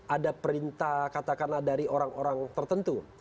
ada perintah katakanlah dari orang orang tertentu